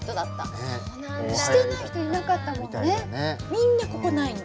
みんなここないの。